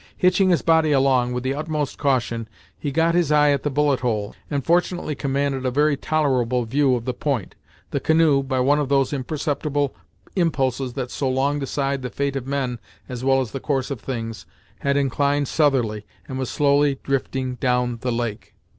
Hitching his body along, with the utmost caution, he got his eye at the bullet hole, and fortunately commanded a very tolerable view of the point. The canoe, by one of those imperceptible impulses that so often decide the fate of men as well as the course of things, had inclined southerly, and was slowly drifting down the lake.